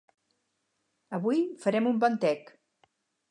Avui farem un bon tec